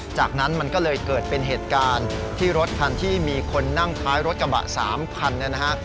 จากนั้นมันก็เลยเกิดเป็นเหตุการณ์ที่รถคันที่มีคนนั่งท้ายรถกระบะ๓คันเนี่ยนะฮะ